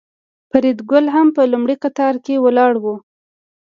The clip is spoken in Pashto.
فریدګل هم په لومړي قطار کې ولاړ و